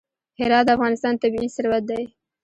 هرات د افغانستان طبعي ثروت دی.